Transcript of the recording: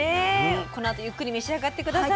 このあとゆっくり召し上がって下さい。